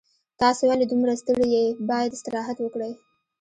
تاسو ولې دومره ستړي یې باید استراحت وکړئ